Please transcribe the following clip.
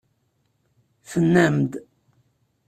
Tennam-d.